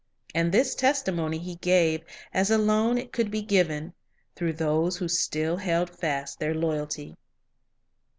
And this testimony He gave, as alone it could be given, through those who still held fast their loyalty.